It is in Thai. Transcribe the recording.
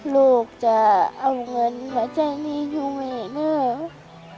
ลูกจะเอาเงินมาใช้หนี้อยู่ไหมนะ